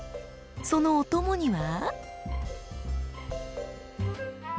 そのお供には？